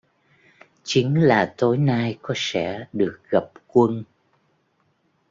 Chính là Tối nay có sẽ được gặp Quân